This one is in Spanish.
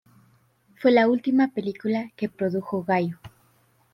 Fue la última película que produjo Gallo